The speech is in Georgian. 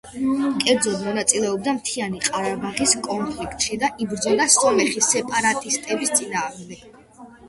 კერძოდ, მონაწილეობდა მთიანი ყარაბაღის კონფლიქტში და იბრძოდა სომეხი სეპარატისტების წინააღმდეგ.